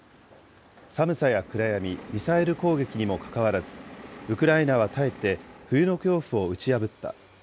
寒さや暗闇、ミサイル攻撃にもかかわらず、ウクライナは耐えて、冬の恐怖を打ち破った。